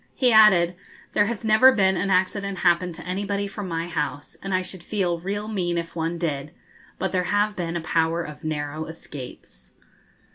He added, 'There never has been an accident happen to anybody from my house, and I should feel real mean if one did: but there have been a power of narrow escapes.'